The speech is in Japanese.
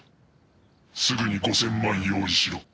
「すぐに５千万用意しろ。